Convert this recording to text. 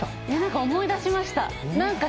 いや思い出しました。